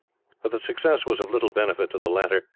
But the success was of little benefit to the latter.